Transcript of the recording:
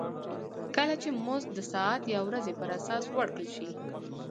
کله چې مزد د ساعت یا ورځې پر اساس ورکړل شي